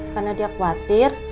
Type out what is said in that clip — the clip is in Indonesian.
karena dia khawatir